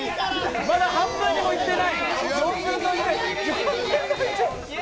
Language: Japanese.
まだ半分にもいっていない。